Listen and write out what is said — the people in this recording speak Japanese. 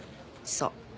そう。